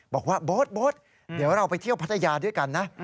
บอกว่าโบ๊ทเดี๋ยวเราไปเที่ยวพัทยาด้วยกันนะ